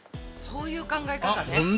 そういう考え方ね。